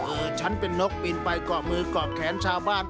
ฉันเป็นนกปีนไปกรอบมือกรอบแขนชาวบ้าน